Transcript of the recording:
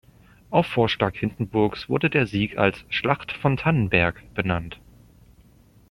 Auf Vorschlag Hindenburgs wurde der Sieg als „Schlacht von Tannenberg“ benannt.